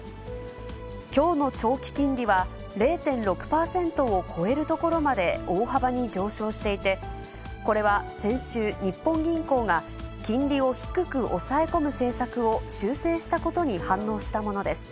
きょうの長期金利は、０．６％を超えるところまで大幅に上昇していて、これは先週、日本銀行が金利を低く抑え込む政策を修正したことに反応したものです。